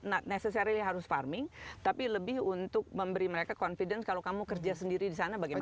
nah necessarily harus farming tapi lebih untuk memberi mereka confidence kalau kamu kerja sendiri di sana bagaimana